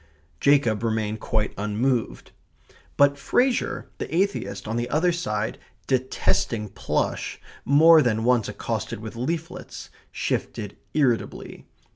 Jacob remained quite unmoved. But Fraser, the atheist, on the other side, detesting plush, more than once accosted with leaflets, shifted irritably.